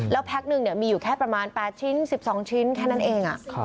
แล้วแพ็คหนึ่งมีอยู่แค่ประมาณ๘ชิ้น๑๒ชิ้นแค่นั้นเอง